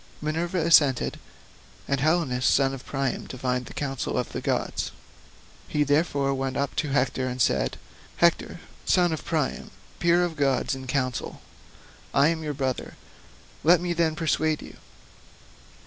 Minerva assented, and Helenus son of Priam divined the counsel of the gods; he therefore went up to Hector and said, "Hector son of Priam, peer of gods in counsel, I am your brother, let me then persuade you.